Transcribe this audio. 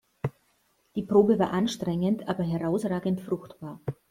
Die Probe war anstrengend aber herausragend fruchtbar.